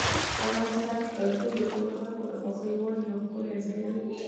افغانستان کې کلتور د ټولو خلکو د خوښې وړ یو ښکلی ځای دی.